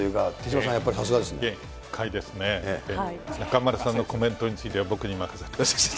中丸さんのコメントについては、僕に任せて。